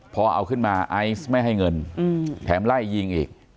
พอเอาขึ้นมาไอซ์ไม่ให้เงินแถมไล่ยิงอีก